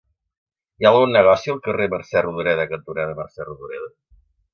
Hi ha algun negoci al carrer Mercè Rodoreda cantonada Mercè Rodoreda?